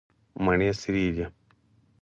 مڼې سرې دي.